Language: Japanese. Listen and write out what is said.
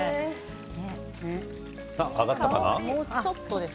揚がったかな。